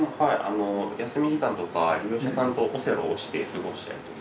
休み時間とか利用者さんとオセロをして過ごしたりとか。